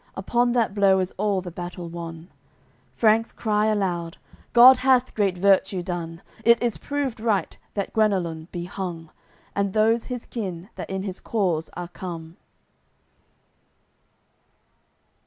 Upon that blow is all the battle won. Franks cry aloud: "God hath great virtue done. It is proved right that Guenelun be hung. And those his kin, that in his cause are come."